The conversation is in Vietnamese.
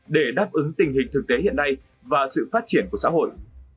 để đáp ứng tình hình thực tế hiện nay và sự phát triển của xã hội